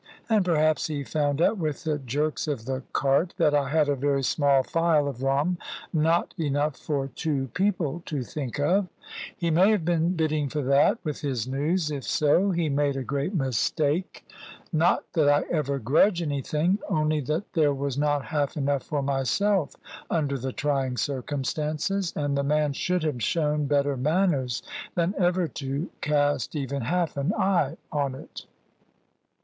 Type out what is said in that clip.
And perhaps he found out, with the jerks of the cart, that I had a very small phial of rum, not enough for two people to think of. He may have been bidding for that, with his news; if so, he made a great mistake. Not that I ever grudge anything; only that there was not half enough for myself under the trying circumstances, and the man should have shown better manners than ever to cast even half an eye on it.